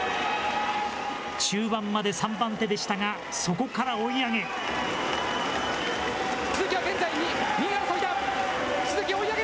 中盤まで３番手でしたが、そこから追い上げ。